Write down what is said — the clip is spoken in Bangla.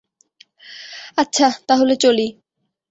আচ্ছা, তাহলে চলি।